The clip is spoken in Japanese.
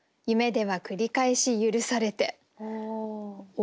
お。